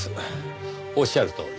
おっしゃるとおり。